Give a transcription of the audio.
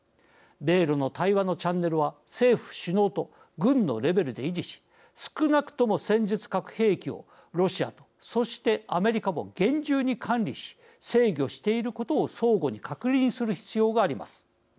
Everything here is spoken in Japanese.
米ロの対話のチャンネルは政府首脳と軍のレベルで維持し少なくとも戦術核兵器をロシアとそして、アメリカも厳重に管理し制御していることを相互に確認する必要があります。